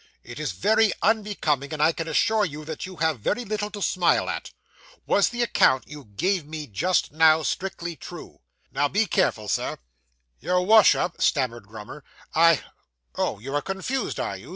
It is very unbecoming, and I can assure you that you have very little to smile at. Was the account you gave me just now strictly true? Now be careful, sir!' Your Wash up,' stammered Grummer, 'I ' 'Oh, you are confused, are you?